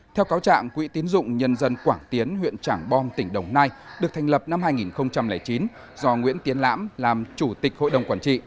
theo cáo trạng quỹ tiến dụng nhân dân quảng tiến huyện trảng bom tỉnh đồng nai được thành lập năm hai nghìn chín do nguyễn tiến lãm làm chủ tịch hội đồng quản trị